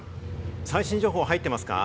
最新情報は入っていますか？